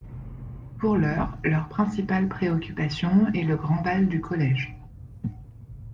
Pour l'heure, leur principale préoccupation est le grand bal du collège.